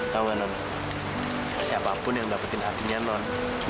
tau gak non siapapun yang dapetin hatinya non